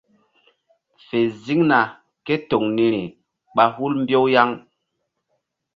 Fe ziŋna ke toŋ niri ɓa hul mbew yaŋ.